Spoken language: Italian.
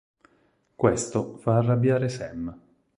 Questo fa arrabbiare Sam.